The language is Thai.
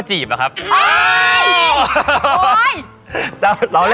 พี่ผัดทายเล่นละคร